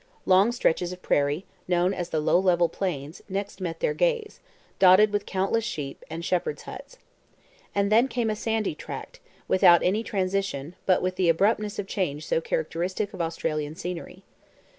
Long stretches of prairie, known as the "Low Level Plains," next met their gaze, dotted with countless sheep, and shepherds' huts. And then came a sandy tract, without any transition, but with the abruptness of change so characteristic of Australian scenery.